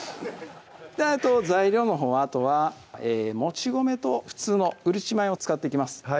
あと材料のほうあとはもち米と普通のうるち米を使っていきます